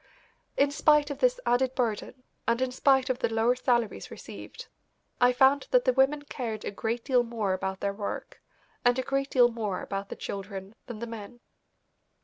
In spite of this added burden, and in spite of the lower salaries received, I found that the women cared a great deal more about their work, and a great deal more about the children than the men.